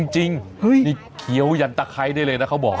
จริงนี่เคี้ยวยันตะไคร้ได้เลยนะเขาบอก